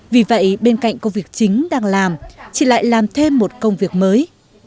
vì vậy bên cạnh công việc chính đang làm chị lại làm thêm một công việc mới